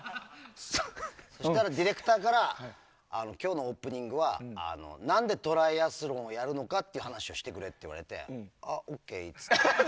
そしたらディレクターから今日のオープニングは何でトライアスロンをやるのかっていう話をしてくれって言われてああＯＫって。